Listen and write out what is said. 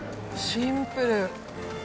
シンプル。